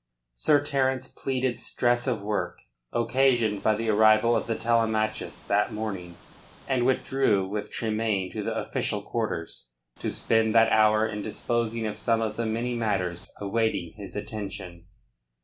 Sir Terence pleaded stress of work, occasioned by the arrival of the Telemachus that morning, and withdrew with Tremayne to the official quarters, to spend that hour in disposing of some of the many matters awaiting his attention.